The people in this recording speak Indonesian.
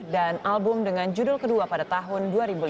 dan album dengan judul kedua pada tahun dua ribu lima belas